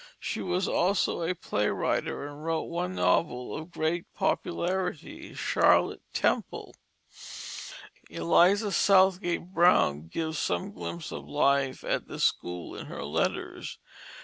She was also a play writer and wrote one novel of great popularity, Charlotte Temple. Eliza Southgate Bowne gives some glimpses of the life at this school in her letters.